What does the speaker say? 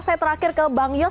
saya terakhir ke bang yos